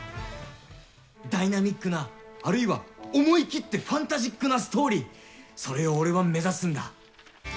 ダイナミックな、あるいは思い切ってファンタジックなストーリー、それを俺は目指すんだ。